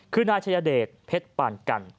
คือนายชายเดชเพชรปานกัน